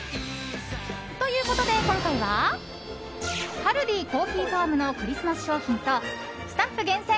ということで、今回はカルディコーヒーファームのクリスマス商品とスタッフ厳選！